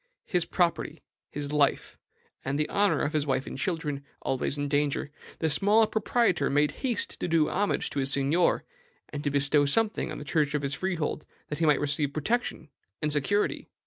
His property, his life, and the honor of his wife and children always in danger the small proprietor made haste to do homage to his seignior, and to bestow something on the church of his freehold, that he might receive protection and security.